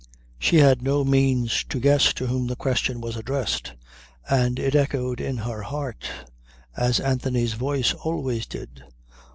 She had no means to guess to whom the question was addressed and it echoed in her heart, as Anthony's voice always did.